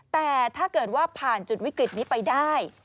แต่ถ้าเกิดว่าผ่านจุดวิกฤตนี้ไปได้